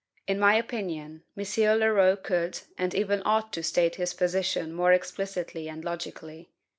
In my opinion, M. Leroux could, and even ought to, state his position more explicitly and logically.